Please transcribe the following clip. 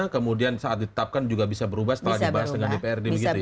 kemudian saat ditetapkan juga bisa berubah setelah dibahas dengan dprd begitu ya